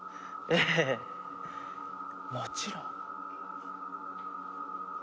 ええもちろん。